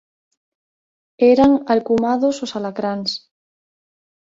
Eran alcumados os "alacráns".